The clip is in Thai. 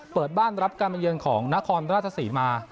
เปิดบ้านรับการเป็นเยือนของนาคอร์นราชสีมา